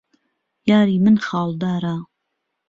یاری من خاڵداره